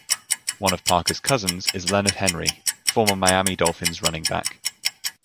One of Parker's cousins is Leonard Henry, former Miami Dolphins running back.